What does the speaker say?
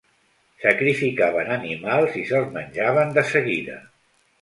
Sacrificaven animals i se'ls menjaven de seguida.